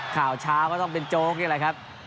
ข่าวเช้าก็ต้องเป็นโจ๊กนี่แหละครับ